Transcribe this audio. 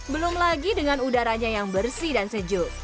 belum lagi dengan udaranya yang bersih dan sejuk